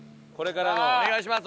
お願いします